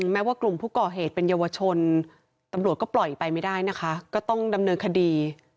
แม้ว่ากลุ่มผู้ก่อเหตุเป็นเยาวชนตำรวจก็ปล่อยไปไม่ได้นะคะก็ต้องดำเนินคดี